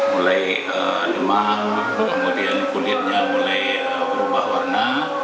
mulai demam kemudian kulitnya mulai berubah warna